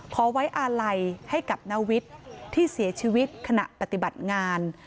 ขอไว้อาลัยให้กับนาวิทย์ที่เสียชีวิตขณะปฏิบัติงาน